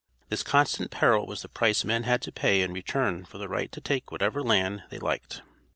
This constant peril was the price men had to pay in return for the right to take whatever land they liked.